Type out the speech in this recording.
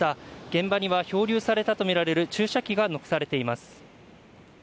現場には漂流されたとみられる注射器が残されています。